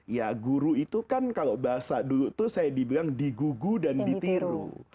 ya guru itu kan kalau bahasa dulu itu saya dibilang digugu dan ditiru